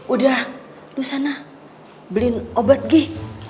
udah disana beliin obat gih